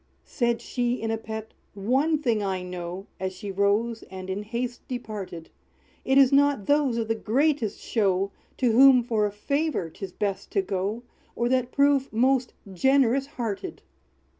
Said she, in a pet, "One thing I know," As she rose, and in haste departed, "It is not those of the greatest show, To whom for a favor 'tis best to go, Or that prove most generous hearted!"